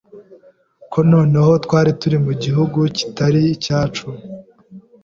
ko noneho twari turi mu gihugu kitari icyacu